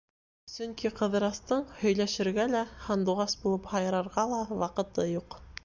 Сөнки Ҡыҙырастың һөйләшергә лә, һандуғас булып һайрарға ла ваҡыты юҡ.